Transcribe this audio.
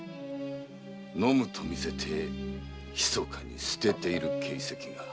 飲むとみせて密かに捨てている形跡が。